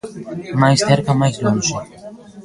Mais cerca, máis lonxe.